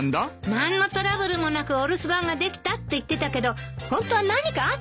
何のトラブルもなくお留守番ができたって言ってたけどホントは何かあったんじゃない？